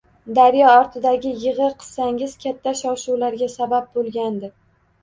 Daryo ortidagi yig‘i qissangiz katta shov-shuvlarga sabab bo‘lgandi